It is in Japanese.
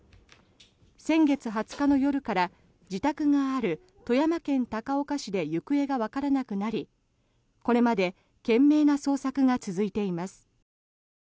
先月２０日の夜から自宅がある富山県高岡市で行方がわからなくなりこれまで懸命な捜索が続いています。